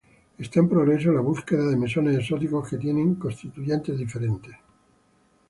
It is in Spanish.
Está en progreso la búsqueda de mesones exóticos que tienen constituyentes diferentes.